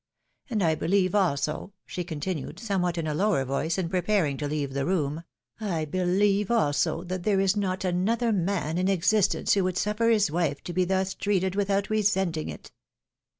And I beUeve also," she continued, somewhat in a lower voice, and preparing to leave the room, —" I believe also that there is not another man in existence who would suffer his wife to be thus treated without resenting it."